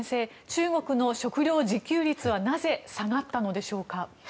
中国の食料自給率はなぜ下がったのでしょうか？